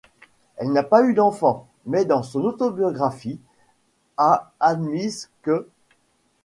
Elle n'a pas eu d'enfants, mais dans son autobiographie à admise qu'.